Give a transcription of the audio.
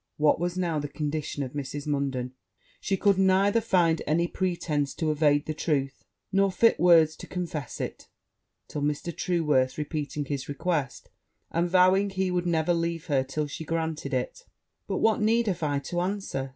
What was now the condition of Mrs. Munden! She could neither find any pretence to evade the truth, nor fit words to confess it; till Mr. Trueworth repeating his request, and vowing he would never leave her till she granted it, 'What need have I to answer?'